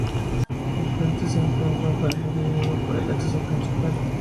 Al frente, se encuentra un jardín dividido por el acceso principal.